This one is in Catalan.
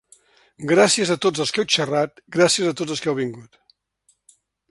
Gràcies a tots els que heu xerrat, gràcies a tots els que heu vingut.